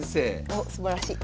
おっすばらしい。